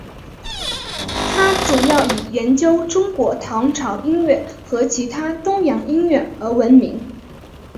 他主要以研究中国唐朝音乐和其他东洋音乐而闻名。